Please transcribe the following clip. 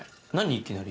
いきなり。